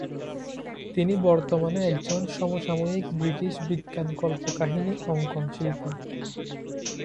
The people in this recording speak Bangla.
তিনি বর্তমানে একজন সমসাময়িক ব্রিটিশ বিজ্ঞান কল্পকাহিনী অঙ্কনশিল্পী।